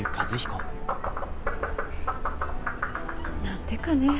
何でかねえ。